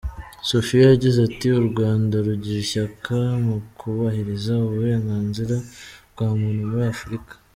Sophia yagize ati “u Rwanda rugira ishyaka mu kubahiriza uburenganzira bwa muntu muri Afurika.